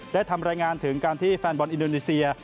ได้ทำรายงานถึงการที่แฟนบอลอินโดนีเซีย